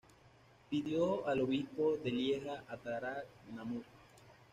Pidió al obispo de Lieja atacara Namur.